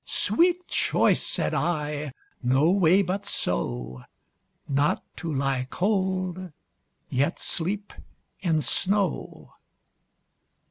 Sweet choice (said I) no way but so, Not to lie cold, yet sleep in snow.